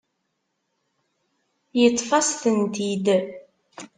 Yeṭṭef-as-tent-id.